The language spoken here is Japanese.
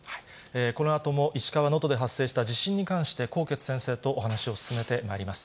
このあとも石川・能登で発生した地震に関して、纐纈先生とお話を進めてまいります。